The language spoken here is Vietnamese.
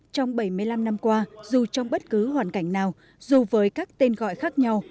trong bảy mươi năm năm qua dù trong bất cứ hoàn cảnh nào dù với các tên gọi khác nhau